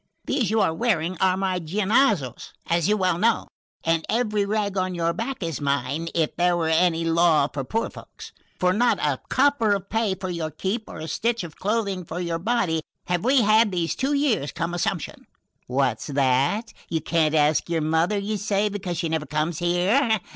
"These you are wearing are my Giannozzo's, as you well know, and every rag on your back is mine, if there were any law for poor folk, for not a copper of pay for your keep or a stitch of clothing for your body have we had these two years come Assumption . What's that? You can't ask your mother, you say, because she never comes here?